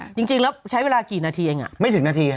จริงแล้วใช้เวลากี่นาทีเองไม่ถึงนาที